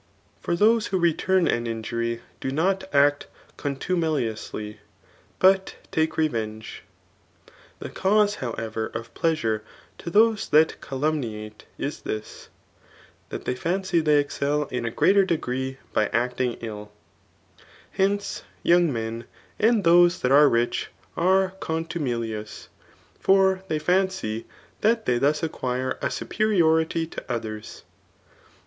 For those who return an 102 THB AAT Of .|K>OK « iBJary do not act contume&oiislyy but take reHSD^i. llie qause; however^ of pleasure' to those diat calnmniate i^ this, that they fancy they, excel in a greater degree by acBng ilL Hence, yoiiag men and didse th3t are rich are contumelioua ; for they £»icy that they thus acquire a superiority to others.